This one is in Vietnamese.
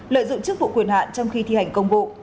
lợi dụng chức vụ quyền hạn trong khi thi hành công vụ